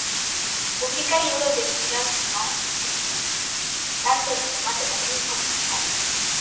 Publica libros de ficción y no ficción, tanto en formato papel como digital.